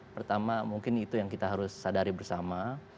pertama mungkin itu yang kita harus sadari bersama